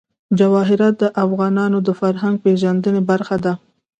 جواهرات د افغانانو د فرهنګي پیژندنې برخه ده.